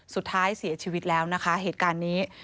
สุดท้ายเสียชีวิตแล้วนะคะเหตุการณ์นี้